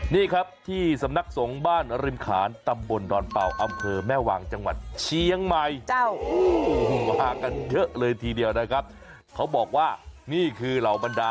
นี่ครับที่สำนักสงบ้านริมขานตร์ตำบลดอนเปา